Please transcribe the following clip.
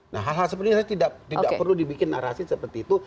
nah hal hal seperti ini tidak perlu dibikin narasi seperti itu